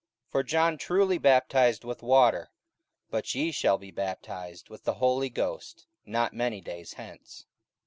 44:001:005 For John truly baptized with water; but ye shall be baptized with the Holy Ghost not many days hence.